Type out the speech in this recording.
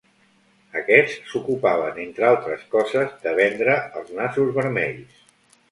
Aquests s'ocupaven, entre altres coses, de vendre els nassos vermells.